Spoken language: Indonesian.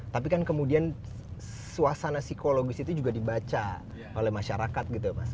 tapi kan kemudian suasana psikologis itu juga dibaca oleh masyarakat gitu ya mas